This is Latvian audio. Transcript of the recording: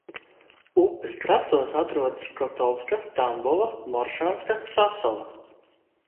Upes krastos atrodas Kotovska, Tambova, Moršanska, Sasova.